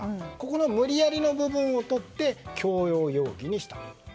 この無理やりの部分をとって強要容疑にしたと。